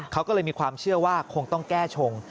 เขาก็เลยมีความเชื่อว่าคงต้องแก้ชง